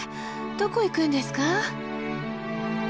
どこ行くんですか？